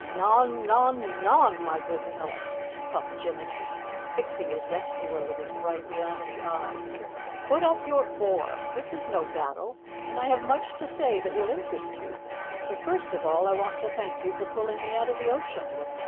"Non, non, NON! My good fellow!" puffed Jinnicky, fixing his rescuer with his bright glassy eye. "Put up your oar. This is no battle, and I have much to say that will interest you, but first of all I want to thank you for pulling me out of the ocean.